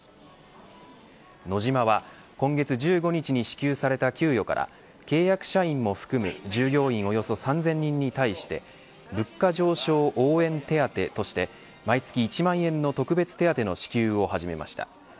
ノジマは今月１５日に支給された給与から契約社員も含む従業員およそ３０００人に対して物価上昇応援手当として毎月１万円の特別手当の支給を始めました。